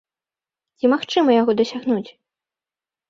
Ці магчыма яго дасягнуць?